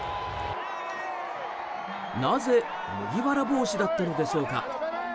なぜ麦わら帽子だったのでしょうか。